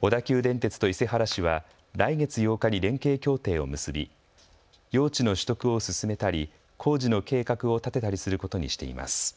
小田急電鉄と伊勢原市は来月８日に連携協定を結び用地の取得を進めたり工事の計画を立てたりすることにしています。